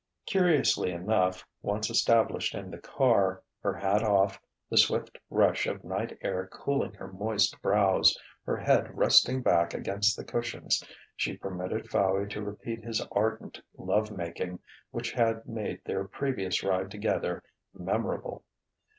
Curiously enough, once established in the car, her hat off, the swift rush of night air cooling her moist brows, her head resting back against the cushions, she permitted Fowey to repeat his ardent love making which had made their previous ride together memorable.